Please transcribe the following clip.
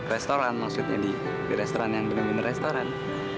restoran maksudnya di restoran yang bener bener restoran